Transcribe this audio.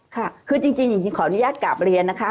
ค่ะคือจริงขออนุญาตกลับเรียนนะคะ